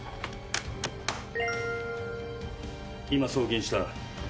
今送金した。